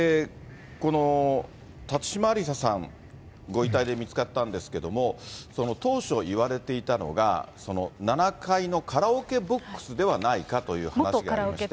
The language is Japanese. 辰島ありささん、ご遺体で見つかったんですけれども、当初いわれていたのが、７階のカラオケボックスではないかという話がありまして。